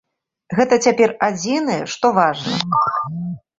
Гэта цяпер адзінае, што важна.